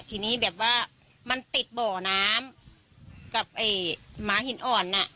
ทีนี้แบบว่ามันติดบ่อน้ำกับไอ้หมาหินอ่อนน่ะ